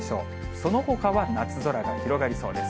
そのほかは夏空が広がりそうです。